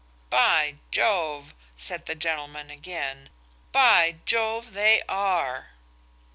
"By Jove!" said the gentleman again–"by Jove, they are!"